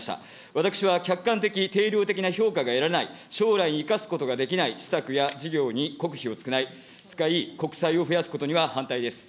私は客観的・定量的な評価が得られない、将来に生かすことができない施策や事業に国費を使い、国債を増やすことには反対です。